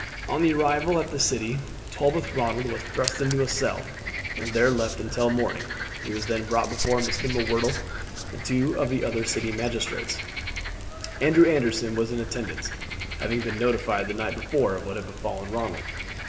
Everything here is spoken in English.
On the arrival at the city Tolbooth Ronald was thrust into a cell and there left until morning. He was then brought before Mr. M'Whirtle and two other of the city magistrates. Andrew Anderson was in attendance, having been notified the night before of what had befallen Ronald.